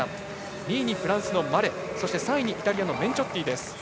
２位、フランスのマレ３位、イタリアのメンチョッティ。